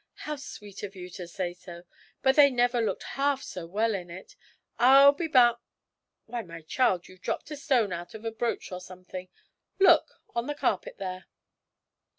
'How sweet of you to say so! But they never looked half so well in it, I'll be bou Why, my child, you've dropped a stone out of a brooch or something. Look on the carpet there!'